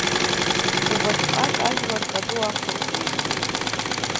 Убасҟак ажәлар пату ақәырҵеит.